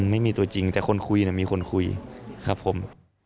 ไม่มีตัวจริงแต่คนคุยมีคนคุยครับผม